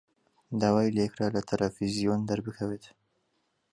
داوای لێ کرا لە تەلەڤیزیۆن دەربکەوێت.